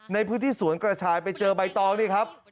ในพื้นที่สวนกระชายไปเจอใบตองนี่ครับ